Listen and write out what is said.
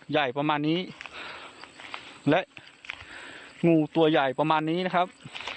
ใหญ่ประมาณนี้และงูตัวใหญ่ประมาณนี้นะครับ